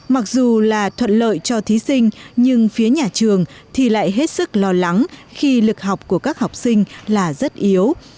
mặc dù là thuận lợi cho thí sinh nhưng phía nhà trường thì lại hết sức lo lắng khi lực học của các học sinh là rất yếu